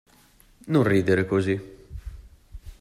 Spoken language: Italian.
Non ridere così.